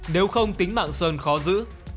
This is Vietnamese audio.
nếu không tính mạng sơn khó giữ